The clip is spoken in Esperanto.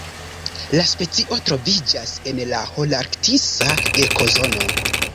La specio troviĝas en la holarktisa ekozono.